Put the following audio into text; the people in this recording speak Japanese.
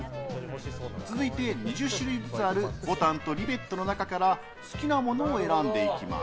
続いて２０種類ずつあるボタンとリベットの中から好きなものを選んでいきます。